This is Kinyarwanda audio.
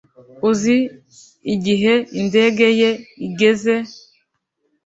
Uzi igihe indege ye igeze